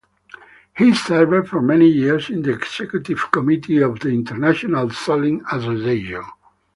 He served for many years in the executive committee of the International Soling Association.